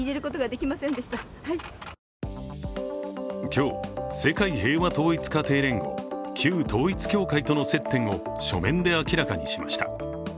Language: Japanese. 今日、世界平和統一家庭連合旧統一教会との接点を書面で明らかにしました。